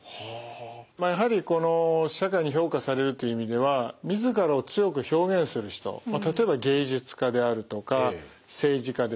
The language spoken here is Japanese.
まあやはりこの社会に評価されるという意味ではみずからを強く表現する人例えば芸術家であるとか政治家ですね。